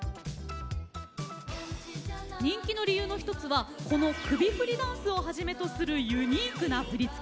人気の理由の１つはこの首振りダンスをはじめとするユニークな振付。